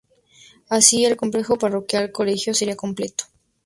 Así el complejo Parroquia-Colegio sería completo.